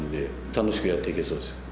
楽しくやって行けそうです。